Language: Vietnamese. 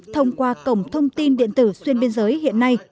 thông qua cổng thông tin điện tử xuyên biên giới hiện nay